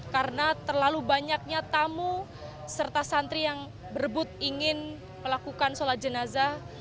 karena terlalu banyaknya tamu serta santri yang berebut ingin melakukan solat jenazah